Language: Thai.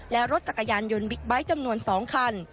และรถจักรยานยนต์บิ๊กไบท์จำนวน๒คัน